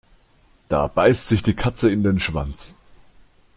Da beißt sich die Katze in den Schwanz.